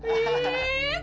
pit ya bang dia mau pit